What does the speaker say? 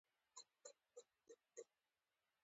هیواد مې د ملا او ښوونکي زور دی